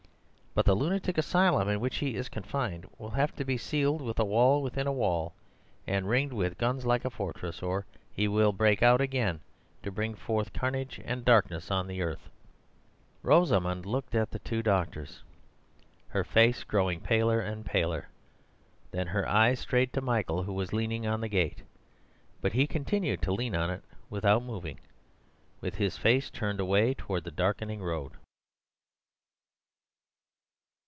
But the lunatic asylum in which he is confined will have to be sealed with wall within wall, and ringed with guns like a fortress, or he will break out again to bring forth carnage and darkness on the earth." Rosamund looked at the two doctors, her face growing paler and paler. Then her eyes strayed to Michael, who was leaning on the gate; but he continued to lean on it without moving, with his face turned away towards the darkening road.